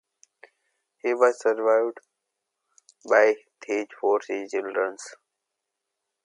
He was survived by his four children.